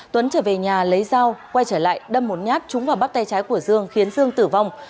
tuấn trở về nhà lấy dao quay trở lại đâm một nhát trúng vào bắt tay trái của dương khiến dương tử vong